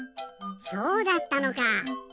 そうだったのか！